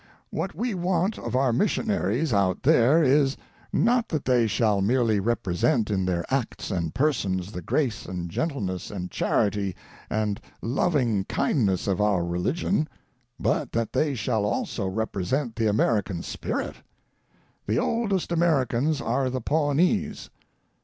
What we want of our missionaries out there is, not that they shall merely represent in their acts and persons the grace and gentle ness and charity and loving kindness of our religion, but that they shall also represent the American spirit. The oldest Americans are the Pawnees.